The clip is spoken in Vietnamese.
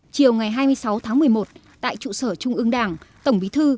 chiều ngày hai mươi sáu tháng một mươi một tại trụ sở trung ương đảng tổng bí thư